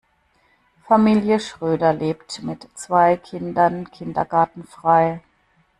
Familie Schröder lebt mit zwei Kindern Kindergartenfrei.